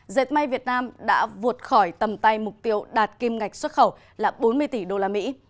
dệt may việt nam đã vụt khỏi tầm tay mục tiêu đạt kim ngạch xuất khẩu là bốn mươi tỷ usd